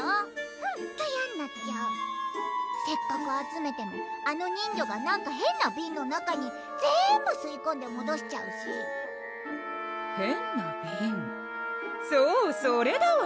ほんといやんなっちゃうせっかく集めてもあの人魚がなんか変な瓶の中に全部すいこんでもどしちゃうし変な瓶そうそれだわ！